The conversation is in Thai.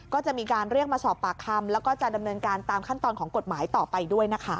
ก็จะมีการเรียกมาสอบปากคำแล้วก็จะดำเนินการตามขั้นตอนของกฎหมายต่อไปด้วยนะคะ